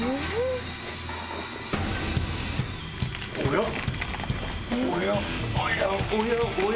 おや？